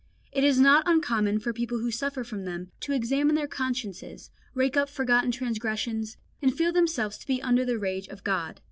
It is not uncommon for people who suffer from them to examine their consciences, rake up forgotten transgressions, and feel themselves to be under the anger of God.